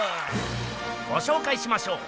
ごしょうかいしましょう！